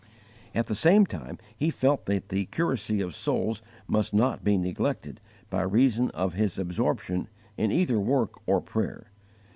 At the same time he felt that the curacy of souls must not be neglected by reason of his absorption in either work or prayer.